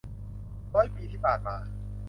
ร้อยปีที่ผ่านมา